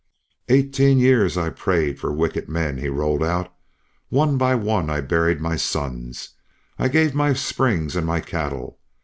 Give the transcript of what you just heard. "Eighteen years I prayed for wicked men," he rolled out. "One by one I buried my sons. I gave my springs and my cattle.